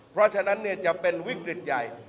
เพราะฉะนั้นจะเป็นวิกฤตใหญ่